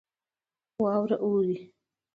واوره بارېږي.